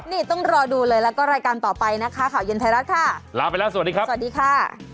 นี่ต้องรอดูเลยแล้วก็รายการต่อไปนะคะข่าวเย็นไทยรัฐค่ะลาไปแล้วสวัสดีครับสวัสดีค่ะ